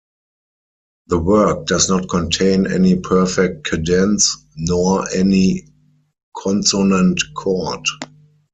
The work does not contain any perfect cadence, nor any consonant chord.